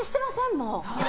もう。